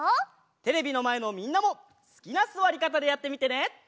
テレビのまえのみんなもすきなすわりかたでやってみてね！